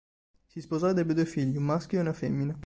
Si sposò ed ebbe due figli, un maschio e una femmina.